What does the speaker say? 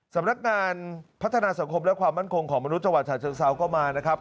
สำนักงานพัฒนาสังคมและความมั่นคงของมนุษย์จังหวัดฉะเชิงเซาก็มานะครับ